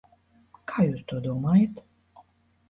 Kā jūs to domājat?